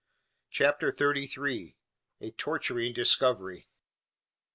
CHAPTER THIRTY THREE. A TORTURING DISCOVERY.